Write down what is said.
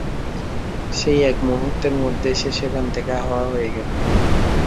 সেই এক মূহুর্তের মধ্যেই সে সেখানে থেকে হাওয়া হয়ে গেলো।